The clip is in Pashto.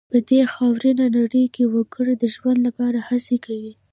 په دې خاورینه نړۍ کې وګړي د ژوند لپاره هڅې کوي.